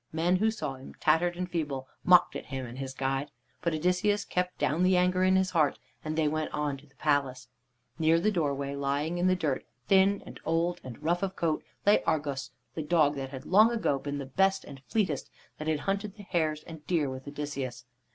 Men who saw him, tattered and feeble, mocked at him and his guide. But Odysseus kept down the anger in his heart, and they went on to the palace. Near the doorway, lying in the dirt, thin and old and rough of coat, lay Argos, the dog that long ago had been the best and fleetest that had hunted the hares and deer with Odysseus.